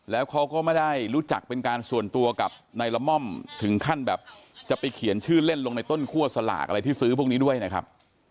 แล้วเขาก็ไม่ได้รู้จักเป็นการส่วนตัวกับนายละม่อมถึงขั้นแบบจะไปเขียนชื่อเล่นลงในต้นคั่วสลากอะไรที่ซื้อพวกนี้ด้วยนะครับ